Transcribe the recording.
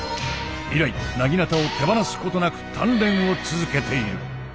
以来薙刀を手放すことなく鍛錬を続けている。